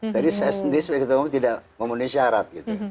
jadi saya sendiri sebagai ketua umum tidak memenuhi syarat